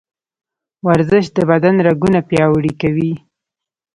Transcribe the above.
ورزش د بدن رګونه پیاوړي کوي.